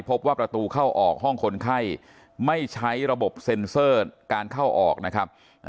พบว่าประตูเข้าออกห้องคนไข้ไม่ใช้ระบบเซ็นเซอร์การเข้าออกนะครับ